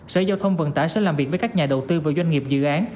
sở giao thông vận tải sẽ làm việc với các nhà đầu tư và doanh nghiệp dự án